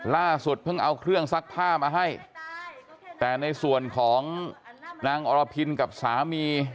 ล่าสุดเพิ่งเอาเครื่องซักผ้ามาให้แต่ในส่วนของนางอรพินกับสามี